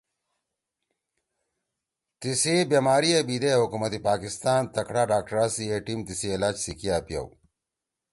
تِیسی بیماری ئے بیِدے حکومت پاکستان تکڑا ڈاکٹرا سی اے ٹیم تیِسی علاج سی کیا پیؤ